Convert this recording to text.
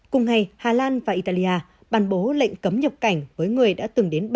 cùng ngày hà lan và italia bàn bố lệnh cấm nhập cảnh với người đã từng đến